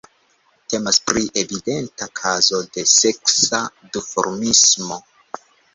Temas pri evidenta kazo de seksa duformismo.